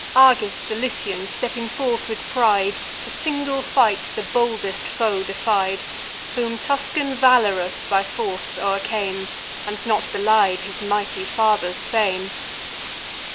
Agis the Lycian, stepping forth with pride, To single fight the boldest foe defied; Whom Tuscan Valerus by force o'ercame, And not belied his mighty father's fame.